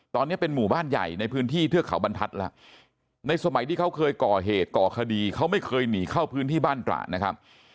ตอนนี้เป็นหมู่บ้านใหญ่ในพื้นที่เทือกเขาบรรทัศน์แล้วในสมัยที่เขาเคยก่อเหตุก่อคดีเขาไม่เคยหนีเข้าพื้นที่บ้านตระนะครับ